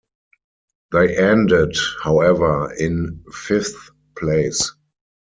They ended, however, in fifth place.